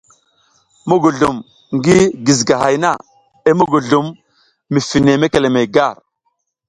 Muguzlum ngi gizigahay na i muguzlum mi fine mekelemey gar.